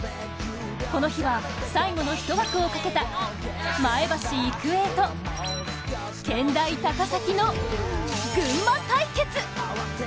この日は、最後のひと枠をかけた、前橋育英と健大高崎の群馬対決。